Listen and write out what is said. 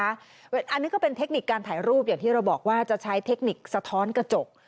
อันนี้ก็เป็นเทคนิคการถ่ายรูปอย่างที่เราบอกว่าจะใช้เทคนิคสะท้อนกระจก